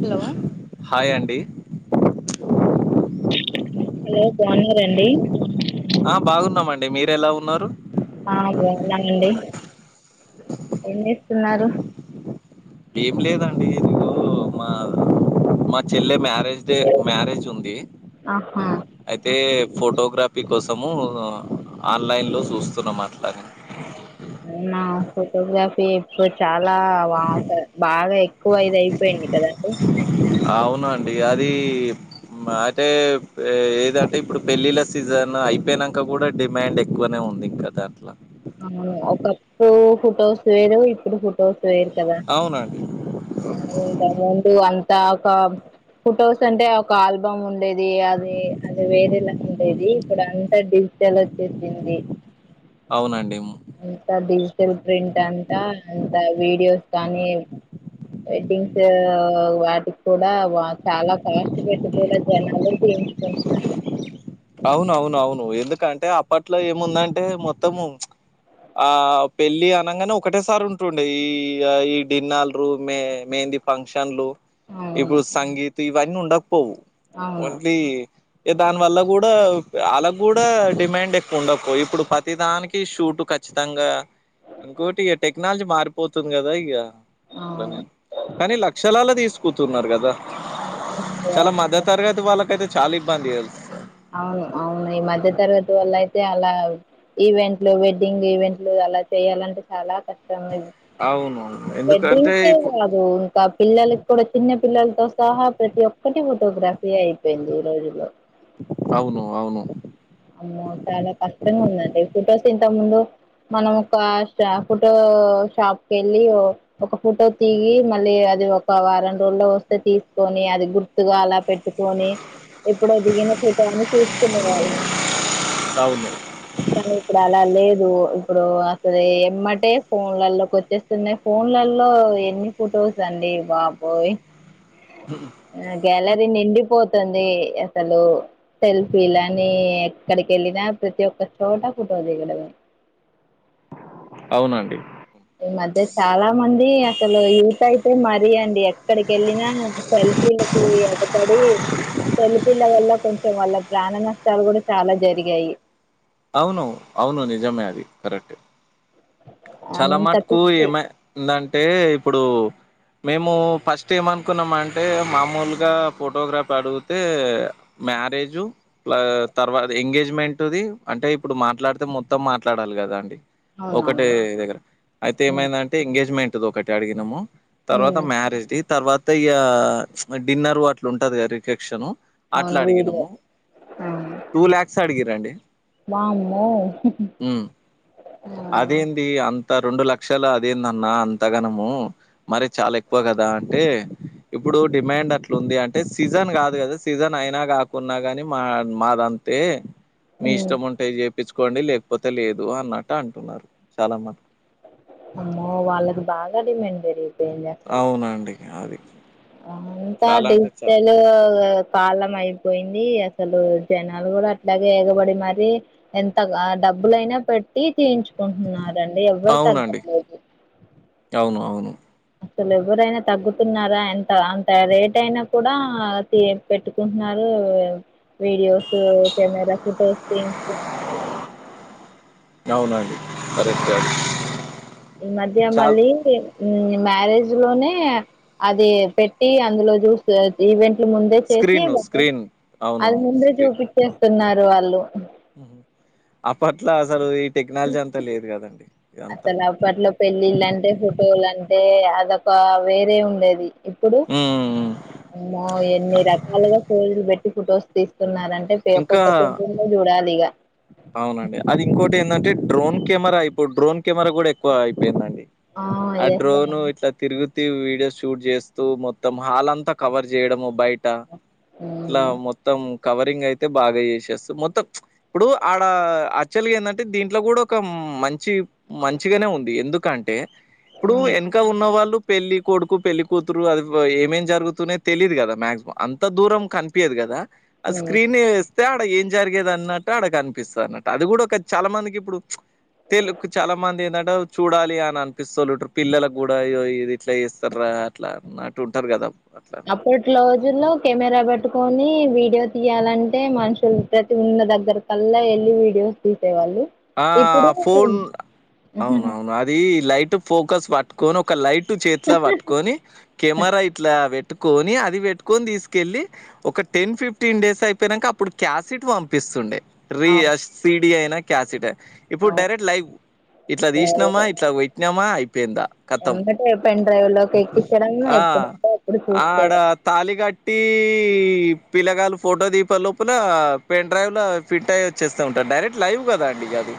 Hello hi అండి hello బాగున్నారండి ఆ బాగున్నామండి మీర ఎలా ఉన్నారు ఆ బాగున్నా అండి ఎం చేస్తున్నారు ఏం లేదండి ఈరోజు మా మా చెల్లె మ్యారేజ్ డే మ్యారేజ్ ఉంది ఆహా అయితే ఫోటో గ్రఫీక్ కోసము ఆన్లైన్లో చూస్తున్న మాట్లాడి అవునా హాస్పిటల్ ఫోటోగ్రాఫీ ఇప్పుడు చాలా బాగా ఏక్ ఎక్కువ ఇది అయిపోయింది కదండీ అవునండి అది మాటే ఏదంటే ఇప్పుడు పెళ్ళిళ్ళ సీజన్ అయిపోయినాక కూడా డిమాండ్ ఎక్కువనే ఉంది ప్రదట్లో అవును ఒకప్పుడు ఫోటోస్ వేరు ఇప్పుడు ఫోటోస్ వేరు కదా అవునండి. ఇంత అమౌంటు అంతకా ఫొటోస్ అంటే ఒక ఆల్బమ్ ఉండేది అది అది వేరేలా ఉండేది ఇప్పుడు అంత డిజ డిజిటల్ వచ్చేసింది అవునండి అంత డిజిటల్ ప్రింట్ అంతా అంత వీడియోస్ కానీ వెడ్డింగ్స్ వాటికి కూడా చాలా కాస్ట్ పెట్టుకునే జనాలు పెంచుకుంటున్నారు అవునవున అవును ఎందుకంటే అప్పట్లో ఏముందంటే మొత్తము ఆ పెళ్ళి అనగానే ఒకటేసారి ఉంటుండే ఈ ఈ డిన్నల్ రూమ్ యే ఈ ఫంక్షన్లు అవును ఇప్పుడు సంగీత ఇవన్నీ ఉండకపోవు అవును ఓన్లీ దాని వల్ల కూడా వాళ్గ కూడా డిమాండ్ ఎక్కువ ఉండకువ ఇప్పుడు ప్రతిదానికి షూట్ ఖచ్చితంగా ఇంకోకటి ఇక టెక్నాలజీ మారిపోతుంది కదా ఇక అవును అట్లానే కానీ లక్షలాల తీసుకుతున్నారు కదా చాలా మద్ద్య తరగతి వాళ్ళక అయితే చాలా ఇబ్బంది అవును అవును ఈ మధ్య తరగతి వల్ల అయితే అలా ఈవెంట్లు వెడ్డింగ్ ఈవెంట్లు అలా చెయ్యాలంటే చాలా కష్టం అవును [unintelligible] ఎందుకంటే వెడ్డింగ్కే ఇప్పుడు కాదు ఇంకా పిల్లలకి కూడా చిన్న పిల్లలతో సహా ప్రతి ఒక్కటి ఫోటోగ్రఫీ అయిపోయింది ఈ రోజులో అవును అవును ఆమో చాలా కష్టంగా ఉందండి ఫుటోస్ ఇంత ముందు మనం ఒక షాపు ఫోటో షాప్ కేళ్లి ఒక ఫోటో దిగి మళ్లీ అది ఒక వారం రోజుల్లో వస్తే తీసుకొని అది గుర్తుగా అలా పెట్టుకొని ఎప్పుడో దిగిన ఫొటోను చూస్తున్నార్ అవును కానీ ఇప్పుడు అలా లేదు ఒ ఇప్పుడు అసలే ఎమ్మటే ఫోన్లలో కోచ్చేస్తున్నాయి ఫోన్లలో ఎన్ని ఫోటోలు ఆఫ్ కోర్సు అండి బాబోయి గెళ అది నిండిపోతుంది అసలు సెల్ఫీలని ఎక్కడికేళ్ళినా ప్రతి ఒక్క చోట ఫొటో దిగడమే అవునండి ఈ మధ్య చాలా మంది ఆ అసలు యుూత అయితే మరీ అండి ఎక్కడి కేళ్లినా సెల్ఫీలకి ఎగబడి సెల్ఫీల వల్ల కొంచం వాళ్ల ప్రాణ నష్టాలు గూడ చాలా జరిగాయి అవును అవును నిజమే అది కరెక్ట్ చాలా అంత మటుకు పిచ్చి ఏమందంటే ఇప్పుడు మేము పస్ట్ ఏమనుకున్నామంటే మామూలుగా ఫోటోగ్రాఫీ అడుగుతే మ్యారేజు ప్ల తర్వాత ఎంగేజ్మెంట్ది అంటే ఇప్పుడు మాట్లాడితే మొత్తం మాట్లాడాలి గదా అండి ఒకటే అవునవును దగ్గర అయితే ఉమ్ ఏమేందంటే ఎంగేజ్మెంట్ది ఒకటి అడిగినాము తర్వాత ఉమ్ మ్యారేజ్ది తర్వాత ఇగా డిన్నర్ అట్లు ఉంటది గాదా రిసెప్షను అట్లా అవును వీడియో అడిగినము టూ ల్యాక్స్ అడిగారండి అమ్మో ఆ అదేంది అంత రెండు లక్షల అది ఏదన్న అంతగనము మరీ చాలా ఎక్కువ గదా అంటే ఇప్పుడు డిమాండ్ అట్లాంది అంటే సీజన్ గాదు గదా సీజన్ అయినా గాకున్నా గానీ, మా మాదంతా అంతే మీ ఉమ్ ఇష్టం ఉంటే జేయిపిచుకోండి లేకపోతే లేదు అన్నట్టు అంటున్నారు చాలా మటుకు. అమ్మో వాళ్లకి బాగా డిమాండ్ పెరిగింది అవునండి అది అంతా చాలా అంటే చాలా. డిజిటల్ కాలం అయిపోయింది అసల్ అసలు జనాలు గూడ అట్లాగే ఎగబడి మరీ ఎంత డబ్బులైనా పెట్టి తియించుకో మరేం అండి ఎవరు అవునండి. తగట్లేదు అవును. అవును. అసలు ఎవరైనా తగ్గుతున్నారా ఎంత అంత రేటయినా కూడా థియి పెట్టుకుంటున్నారు వో యామ్మ కెమెరా ఫొటోస్ తిన్చుకుంటున్నారు అవునండి కరెక్ట్ అది ఈ మధ్య చాల్ మళ్లీ మ్యారేజ్ లోనే అది పెట్టి అందులో జూసి ఈవెంట్ అట్లా ముందే చేసి స్క్రీను. మొత్తం స్క్రీన్. అది అవునవును. ముందే చూపించేస్తున్నారు వాళ్లు ఉమ్మ్ అప్పట్ల అసలు ఈ టెక్నాలజీ అంతా లేదు కదండి అసలు అప్పట్లో పెళ్లిళ్లల అంటే ఫోటోలు అంటే అదొక వేరే ఉండేది ఇప్పుడు హ్మ్. ఆమో ఎన్ని రకాలుగా ఫోజూలు పెట్టి ఫొటోస్ తీసు తీసుకుంటునారాంటే ఇంకా ఒక్కొక్క ఒక ఫోన్లో జూడాలి ఇగ అవునండి అది ఇంకోటేదంటే డ్రోన్ కెమెరా ఇప్పుడు డ్రోన్ కెమెరా గూడ ఎక్కువ అయిపోయిందండి ఆ డ్రోను ఇట్లా తిరుగుత్ తి వీడియో షూట్ జేస్తూ మొత్తం హాల్ అంతా కవర్ జేయడము బయట ఇట్లా హ్మ్ మొత్తం కవరింగ్ అయితే బాగా జేస్తే మొత్తం మ్చ్ ఇప్పుడు ఆడ యాక్చువల్ గా ఏంటంటే దీంట్లో గూడ ఒక మంచి మంచిగానే ఉంది ఎందుక్ కంటే ఇప్పుడు హ్మ్ ఎనకా ఉన్న వాళ్ళు పెళ్ళి కొడుకు పెళ్లి కూతురు అది ఏమేం జరుగుతున్నాయో తెలిదు కదా మాక్సిమామ్ అంత దూరం కన్పియ్యదు కదా అ హ్మ్. స్క్రీన్ వేస్తే ఆడ ఏం జరిగేది అన్న ట్టాడ కన్పిస్తది అన్నట్టు అది కూడా ఒక చాలా మందికి ఇప్పుడు తే లుక్కు చాలా మంది ఏందంటే చూడాలి అని అన్పిస్తలుటు పిల్లలకు గూడా ఇది ఇట్లా చేస్తారా అట్లా అన్నట్టు ఉంటారు కదా అట్లా అప్పటి లోజుల్లో కెమెరా పెట్టుకోని వీ డియో తియ్యాలంటే మనుషులు ప్రతి ఉన్న దగ్గర కల్లా ఎళ్ళి వీడియోస్ తీ ఆ ఫోన్ అవును అవును అది లై ఫోకస్ పట్టుకొని ఒక లైట్ చేతిలో పట్టుకొని కెమెరా ఇట్లా పెట్టు ట్టుకోని అది పెట్టుకొని తీసుకెళ్ళి ఒక టెన్ ఫిఫ్టీన్ డేస్ అయిపోయినాంక అప్పుడు క్యాసిట్ పంపిస్తుండే రీ యస్ సి డి ఐనా క్యాసిట్ ఐ ఇప్పుడు అవును డైరెక్ట్ లైవ్ ఇట్లా డ్రైవ్ తీసినమా ఇట్లా పెట్నామా పేందా ఖతం ఎంబటే పెన్ డ్రైవ్ లోకి ఎక్కించడం ఆ ఎప్పుడంటే అప్పుడు ఆడ చూసుకోవడం తాళి గ టీ టీ పిల్లగాల్లు ఫోటో దీగిపే లోపల పెన్ డ్రైవ్ లో ఫింట్ అయ్యి వచ్చేస్తా ఉంటారు డైరెక్ట్ లైవ్ కదా అండి గది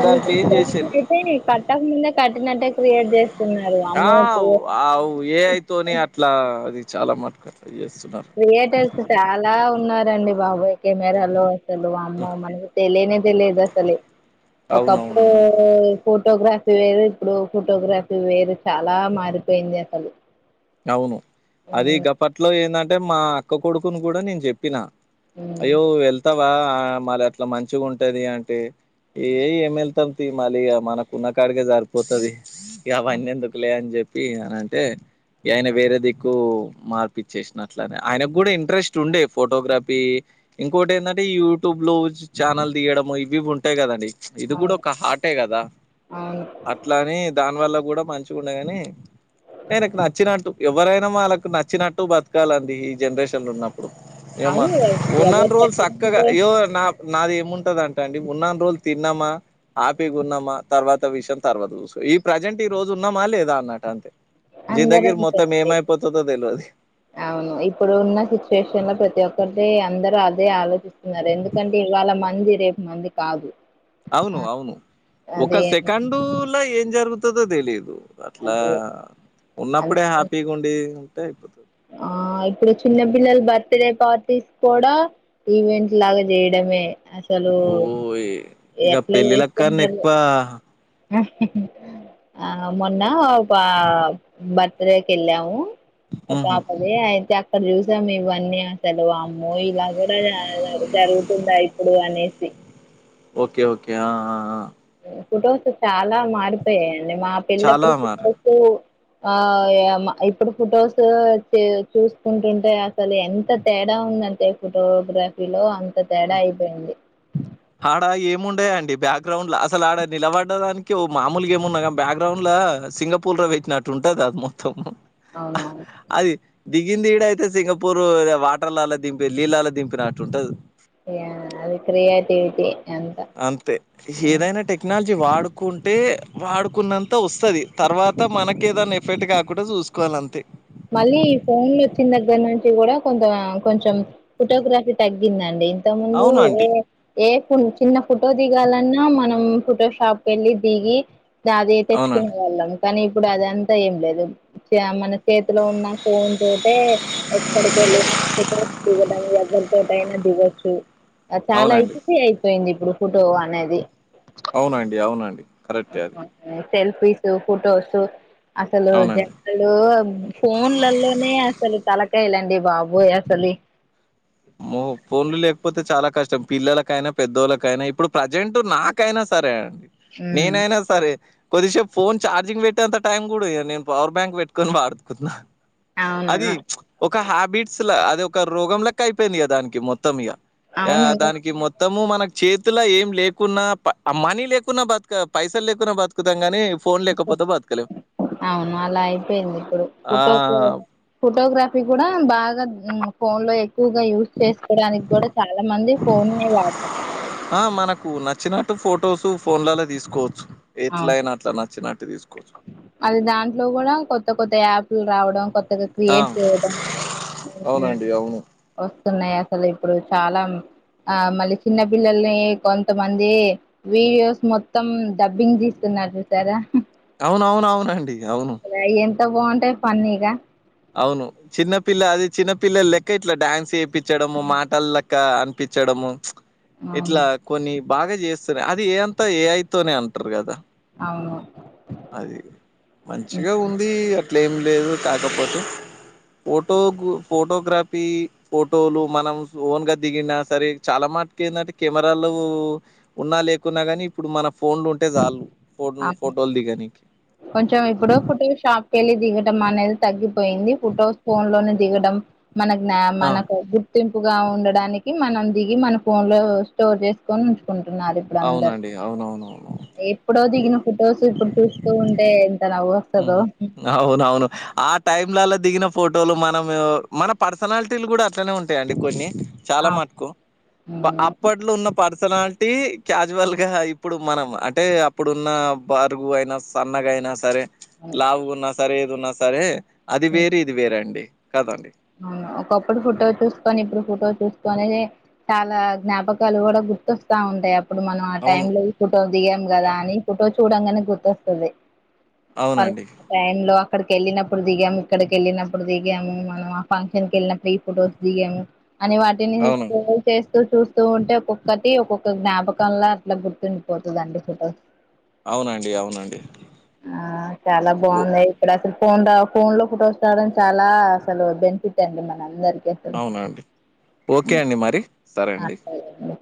[unintelligible] కట్ ఆఫ్ ముందే కట్టినట్టే క్రియేట్ చేస్త ఆ ఔ ఔ ఏ ఐ తోని అట్లా అది చాలా మటుకు చేస్తున్నారు క్రియేటర్స్ చాలా ఉన్నారండి బాబాయ్ కెమెరాలో అసలు అమ్మ మనకి తెలియనే తెలియదు అసలు ఒకప్పుడు అవునవునండి ఫోటోగ్రఫీ వేరు ఇప్పుడు ఫోటోగ్రఫీ వేరు చాలా మారిపోయింది అసలు అవును అది మ్మ్ గప్పట్లో ఏంటంటే మా అక్క కొడుకును గూడా నేను చెప్పినా మ్మ్ అయ్యో ఎళ్తావా మరి ఎట్లా మంచిగుంటది అంటే ఏ ఏం వెళ్తాం తీ మళ్ళి ఇగ మనకున్న కాడికే సరిపోతది ఇ అవన్నీ ఎందుకులే అని జెప్పి అని అంటే ఆయన వేరే దిక్కు మార్పిచ్చేసినా అట్లానే ఆయనకు గూడా ఇంట్రెస్ట్ ఉండే ఫోటోగ్రాపీ ఇంకోటి ఏంటంటే యూట్యూబ్ లో ఛానల్ దియ్యడం ఇవి ఉంటాయి కదండి ఇది కూడా అవును ఒక హార్టే కదా అవును అట్లానే దానివల్ల కూడా మంచిగుండే గానీ నేనుకు న ఎవరైనా వాళ్ళకు నచ్చినట్టు బతకాలండి ఈ జనరేషన్ లో ఉన్న ఏమ్మా అవును ఎవరి ఉన్నన్ని రోజలు సక్కగా య్యో నా నాది ఏముంటదంటే అండి ఉన్నన్ని రోజులు తిన్నామా ఆపీగున్నామా తర్వాత విషయం తర్వాత చూసు ఈ ప్రజెంట్ ఈ రోజు ఉన్నామా లేదా అన్నట అంతే అందరూ జిందగీర్ అంతే మొత్తం అండి ఏమైపోతాదో తెల్వ అవును ఇప్పుడు ఉన్న సిచ్యువేషన్ లో ప్రతి ఒక్కరిదీ అందరూ ఆ దే ఆలోచిస్తున్నారు ఎందుకంటే ఇవాళ మంది రేపు మంది కాదు అవును అ అవును ఒక అదే సెకండులో ఏం జరుగుతుందో తెలియదు అట్లా అదే ఉన్నప్పుడే అందుకని హ్యాపీగా ఉండి ఉంటే అయిపోతు ఆ ఇప్పుడు చిన్నపిల్లలు బర్త్ డే పార్టీస్ కూడా ఈవెంట్ లాగా జెయ్యడమే అసలు ఓ ఇక ఎట్ల పెళ్ళిళ్ళ కన్నా చేసుకున్నరో ఎక్కువ ఆ మొన్న ఒక బర్త్ డే కెళ్ళాము ఆ ఉహు పాపదే ఐతా అక్కడ చూసాం ఇవన్నీ అసలు అమ్మో ఇలా గూడా జరుగుతుందా ఇప్పుడు అనేసి ఊ ఓకే ఓకే ఆ ఆ ఆ ఫోటోస్ చాలా మారిపోయాయండి మా చాలా పెల్లప్పుడు మరి. ఫుటోస్ ఆ ఇప్పుడు ఫొటోస్ చూసుకుంటుంటే అసలు ఎంత తేడ ఉందంటే ఫోటోగ్రఫీలో అంత తేడా హ్మ్. అయిపోయింది ఆడ ఏముండయండి బ్యాక్గ్రౌండ్ ల అసలు ఆడ నిలబడ్డ దానికి ఓ మామూలుగా ఏమున్నా గ్ బ్యాక్గ్రౌండ్ ల సింగపూర్ ల పెట్నాట్టు ఉంటది అది మొత్తం అవునా అది దిగింది ఇడ అయితే సింగపూర్ వాటర్లల్ల దింపి లీళ్లల్ల దింపినట్టు ఉంటది ఇగ అది క్రియేటివిటీ అంత అంతే ఏదైనా టెక్నాలజ వాడుకుంటే వాడుకున్నంత వస్తది తర్వాత మనకేదన్న ఎఫెక్ట్ కాకుండా చూసుకోవాలి ళ్లంతే మళ్ళీ ఫోన్లు వచ్చిన దగ్గరి నుంచి కూడా కొంత కొంచెం ఫోటోగ్రఫీ తగ్ గ్గిందండి ఇంత ముందు అవునండి. ఏ ఏ చిన్న ఫోటో దిగాలన్నా మనం ఫోటో షాప్ వెళ్ళి దిగి అదే తెచ్చుకునే అవునండి. వాళ్ళం కానీ ఇప్పుడు అదంతా ఏం లేదు చ్ మన చేతిలో ఉన్న ఫోన్ తోటె ఎక్కడికెళ్ళిన ఫోటోస్ దిగడం ఎవరితోటయినా దిగొచ్చు చాలా అవునండి. హేచ్సి అయిపోయింది ఇప్పుడు ఫోటో అనేది అవునండి అవునండి కరెక్టే అది సెల్ఫీసు ఫోటోసు అసలు అవునండి. జనాలు ఫోన్లల్లోనే అసలు తల కాయలండి బాబోయ్ అసలి అమ్మో ఫోన్లు లేకపోతే చాలా కష్టం పిల్లలకైనా పెద్దోళ్ళకైనా ఇప్పుడు ప్రజెంట్ నాకైనా సరే అండి ఉమ్ నేనైనా సరే కొద్దిసేపు ఫోన్ ఛార్జింగ్ పెట్టేంత టైం కూడ ఇయ్య నేను పవర్ బ్యాంక్ పెట్టుకొని వాడుతున్నా అది అవును ఒక హ్యాబిట్స్ అది ఒక రోగం లెక్క అయిపోయింది ఇగ దానికి మొత్తం ఇగ ఆ అవును దానికి మొత్తం మొత్తము మనకు చేతిల ఏం లేకున్నా ప్ మనీ లేకున్నా బతుక పైసలు లేకున్నా బతుకుతాం గనీ ఫోన్ లేెకపోతే బతకలేం అవును అలా అయిపోయింది ఇప్పుడు ఫోటోస్ ఆహ్, ఫోటోగ్రఫీ కూడా బా గ ఫోన్ లో ఎక్కువగా యూస్ చేసుకోవడానికి కూడా చాలా మంది ఫోన్నే వాడుతారు ఆ! మనకు నచ్చినట్టు ఫోటోసు ఫోన్లల్ల తీసుకోవచ్చు ఆ ఎట్లైనా అట్లా నచ్చినట్టు తీసుకోవచ్చు. అది దాంట్లో కూడా కొత్త కొత్త యాప్ లు రావడం కొత్త ఆ క్రియేట్ చేయడం అవునండి అవును వస్తున్నాయి అసలు ఇప్పుడు చాలా ఆ మళ్ళీ చిన్నపిిల్లల్ని కొంతమంది వీడియోస్ మొత్తం డబ్బింగ్ తీస్తున్నారు చూసారా అవునవునవునండి అవును ఎంత బాగుంటాయి ఫన్నీగా అవును చిన్నపిల్ల అది చిన్నపిల్లలెక్క ఇట్లా డ్యాన్స్ చేపించడం మాటలలెక్క అనిపిం డం అవును ఇట్లా కొన్ని బాగా చేస్తున్నాయి అది ఏ అంతా ఏఐ తోనే అంటారు కదా అవును అది ఉమ్. మంచిగా ఉంది అట్లెం లేదు కాకపోతే ఫోటో ఫోటోగ్రఫీ ఫోటోలు మనం ఓన్ గా దిగిన సరే చాలా మట ఏంటంటే కెమెరాలు ఉన్నా లేకున్నా గానీ ఇప్పుడు మన ఫోన్లు ఉంటే చాలు ఫోన్ అ ఫోటోలు దిగనీకి కొంచెం ఇప్పుడో ఫుటో షాప్ పెళ్ళి దిగడం అనేది తగ్గిపోయింది ఫోటో ఫోన్ లోనే దిగడం మన జ్ఞా ఆ మనకు గుర్తింపుగా ఉండడానికి మనం దిగి మన ఫోన్ లో స్టోర్ చేసుకొని ఉంచుకున్నాం న్నారు బందర్ అవునండి అవునవునవును. ఎప్పుడో దిగిన ఫొటోస్ ఇప్పుడు చూస్తూ ఉంటే ఎంత నవ్వు వస్తదో అవున అవును ఆ టైం లల్ల దిగిన ఫోటోలు మనము మన పర్సనాలిటీలు కూడా అట్లనే ఉంటాయండి కొన్ని చాలా అవును మటుకు అవును అప్పట్లో ఉన్న పరి పర్సనాలిటీ క్యాజువల్ గా ఇప్పుడు మనం అంటే అప్పుడున్న బరుగు అయినా సన్నగాయినా యినా సరే లావుగా ఉన్న సరే ఏది ఉన్నా సరే అది వేరు ఇది వేరండి అవును ఒకప్పుడు ఫోటో చూసుకొని ఇప్పుడు ఫోటో చూసు పనేదే చాలా జ్ఞాపకాలు కూడా గుర్తొస్తా ఉంటాయి అప్ ఇప్పుడు మనం ఆ అవును. టైం లో ఈ ఫోటో దిగాం కదా అని ఫోటో చూడంగానే గుర్తొస్తుంది అవునండి. టైం లో అక్కడికి వెళ్ళినప్పుడు దిగాము ఇక్కడికి వెళ్ళినప్పుడు దిగాము మనం ఫంక్షన్ కి వెళ్ళినప్పుడు ఈ ఫొటోస్ దిగమ్ అని వాటిని అవును. చూస్తూ ఉంటే ఒక్కొక్కటి ఒక్కొక్క జ్ఞాపకంలా అట్లా గుర్తుండిపోతుందండి ఫోటోస్ అవునండి. అవునండి. ఆ చాలా ఓ బాగుంది ఇప్పుడ అసలు ఫోన్ ఫోన్ లో ఫోటోస్ రావడం చాలా అసలు బెనిఫిట్ అండి మనందరికి అవునాండి ఓకే అండి మరి సరే ఆ అండి అండి.